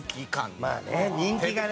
まあね人気がね。